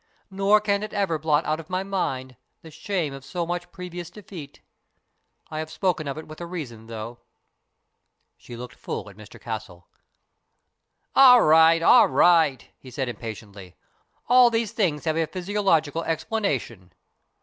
Nor can it ever blot out of my mind the shame of so much previous defeat. I have spoken of it with a reason, though." She looked full at Mr Castle. "All right, all right," he said impatiently. "All these things have a physiological explanation."